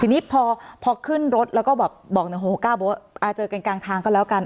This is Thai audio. ทีนี้พอขึ้นรถแล้วก็บอกในโฮ้ก้าวว่าอาจจะเป็นกลางทางก็แล้วกัน